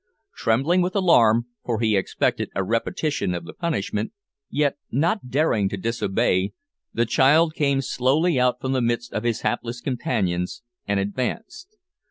Trembling with alarm, for he expected a repetition of the punishment, yet not daring to disobey, the child came slowly out from the midst of his hapless companions, and advanced.